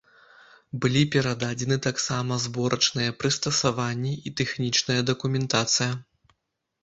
Былі перададзены таксама зборачныя прыстасаванні і тэхнічная дакументацыя.